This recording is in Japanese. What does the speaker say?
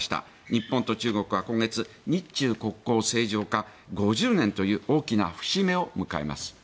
日本と中国は今月日中国交正常化５０年という大きな節目を迎えます。